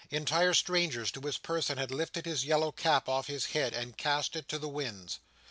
Entire strangers to his person had lifted his yellow cap off his head, and cast it to the winds.